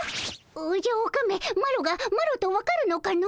おじゃオカメマロがマロと分かるのかの？